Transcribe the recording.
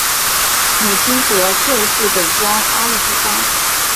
母亲为侧室本庄阿玉之方。